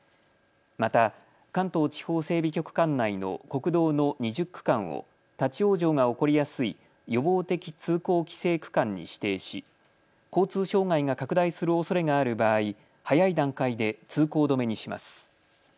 また、関東地方整備局管内の国道の２０区間を立往生が起こりやすい予防的通行規制区間に指定し交通障害が拡大するおそれがある場合、早い段階で通行止めにします。